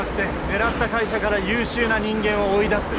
狙った会社から優秀な人間を追い出す